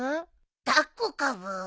抱っこかブー？